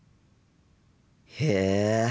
へえ。